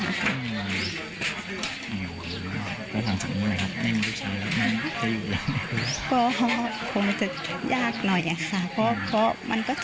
ลานก็อยู่กับแม่ค่ะ